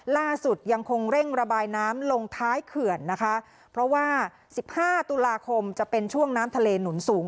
ล่าสุดยังคงเร่งระบายน้ำลงท้ายเขื่อนนะคะเพราะว่าสิบห้าตุลาคมจะเป็นช่วงน้ำทะเลหนุนสูง